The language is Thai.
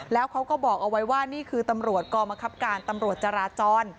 แล้วเขาก็บอกเอาไว้ว่านี่คือตำรวจกองบังคับการตำรวจจราจร